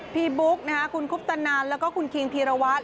บุ๊กคุณคุปตนันแล้วก็คุณคิงพีรวัตร